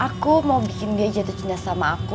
aku mau bikin dia jatuh cinta sama aku